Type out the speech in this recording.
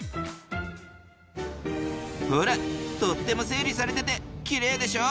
ほらとっても整理されててきれいでしょ？